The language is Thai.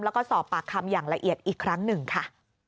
แล้วก็สอบปากคำอย่างละเอียดอีกครั้งหนึ่งค่ะ